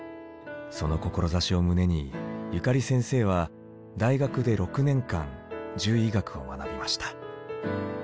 その志を胸にゆかり先生は大学で６年間獣医学を学びました。